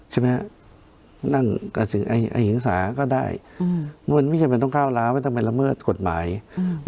ใช่ไหมฮะนั่นกระสือไอไอ้หิงสาก็ได้อืมมันไม่จำเป็นต้องก้าวล้าไม่ต้องไปละเมิดกฎหมายอืม